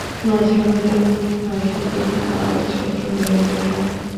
মাঝে মধ্যে মনে হয়, যদি আবার ছোট্ট হয়ে যেতাম!